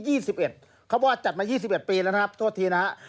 เขาบอกว่าจัดมา๒๑ปีแล้วนะครับโทษทีนะฮะ